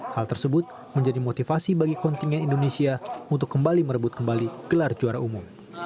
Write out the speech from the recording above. hal tersebut menjadi motivasi bagi kontingen indonesia untuk kembali merebut kembali gelar juara umum